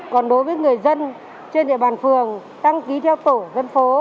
còn đối với người dân trên địa bàn phường đăng ký theo tổ dân phố